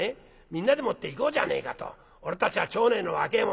みんなでもって行こうじゃねえかと俺たちは町内の若えもんだ。